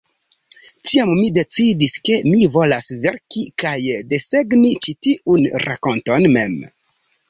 Tiam mi decidis, ke mi volas verki kaj desegni ĉi tiun rakonton mem.